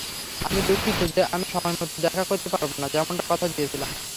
আমি দুঃখিত, যে আমি সময়মতো দেখা করতে পারবো না, যেমনটা কথা দিয়েছিলাম।